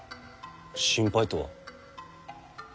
心配とは？